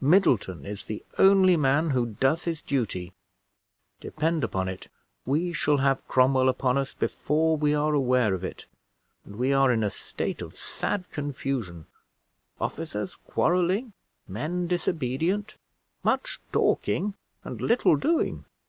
Middleton is the only man who does his duty. Depend upon it, we shall have Cromwell upon us before we are aware of it; and we are in a state of sad confusion: officers quarreling, men disobedient, much talking, and little doing.